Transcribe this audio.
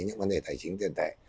những vấn đề tài chính tiền tẻ